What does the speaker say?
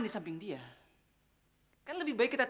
bapak ngelihat ayah gak